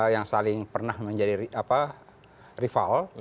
yang saling pernah menjadi rival